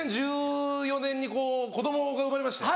２０１４年に子供が生まれまして。